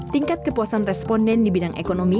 tingkat kepuasan responden di bidang ekonomi